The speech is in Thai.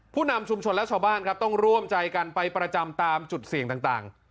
นำชุมชนและชาวบ้านครับต้องร่วมใจกันไปประจำตามจุดเสี่ยงต่าง